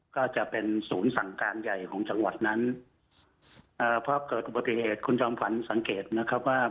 ก็จะเป็นศูนย์สั่งการใหญ่ของจังหวัดนั้นเอ่อพอเกิดอุบัติเหตุคุณจอมฝันสังเกตนะครับว่า